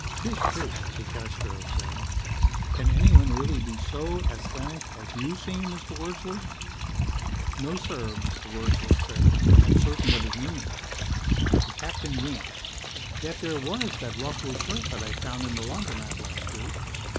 "Tch, tch," DeCastros said, "can anyone really be so asthenic as you seem, Mr. Wordsley?" "No, sir," Mr. Wordsley said, uncertain of his meaning. The captain winked. "Yet there was that ruffled shirt that I found in the laundromat last week.